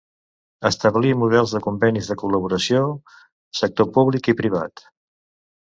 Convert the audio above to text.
Establir models de convenis de col·laboració sector públic i privat.